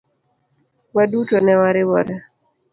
Waduto ne wariwore.